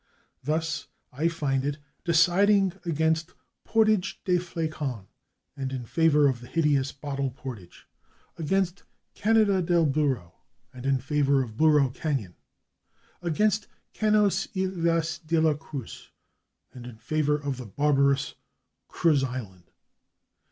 Thus, I find it deciding against /Portage des Flacons/ and in favor of the hideous /Bottle portage/, against /Cañada del Burro/ and in favor of /Burro canyon/ against /Canos y Ylas de la Cruz/ and in favor of the barbarous /Cruz island